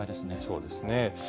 そうですね。